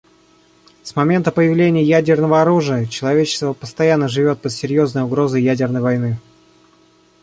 С момента появления ядерного оружия человечество постоянно живет под серьезной угрозой ядерной войны.